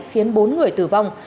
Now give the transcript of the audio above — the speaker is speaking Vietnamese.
khiến bốn người tử vong